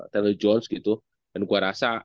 tele jones gitu dan gue rasa